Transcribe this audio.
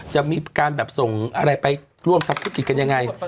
จะมีการแบบส่งอะไรไปร่วมทำธุรกิจกันยังไง